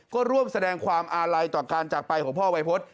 ก็ร่วมแสดงความอาลัยต่อการจากไปของพ่อวัยพฤษ